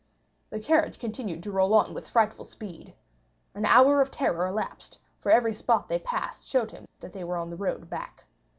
The carriage continued to roll on with frightful speed. An hour of terror elapsed, for every spot they passed showed that they were on the road back.